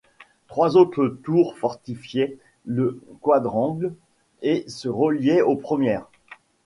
Trois autres tours fortifiaient le quadrangle et se reliait aux premières.